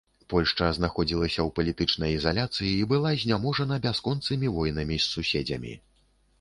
Польшча знаходзілася ў палітычнай ізаляцыі і была зняможана бясконцымі войнамі з суседзямі.